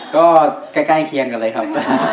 ก็ใกล้เคียงกันเลยครับ